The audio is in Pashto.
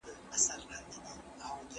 تاسو کولای شئ چې د اړمنو کسانو لاسنیوی وکړئ.